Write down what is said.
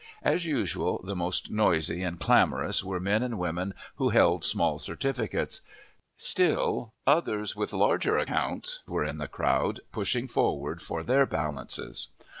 As usual, the most noisy and clamorous were men and women who held small certificates; still, others with larger accounts were in the crowd, pushing forward for their balances.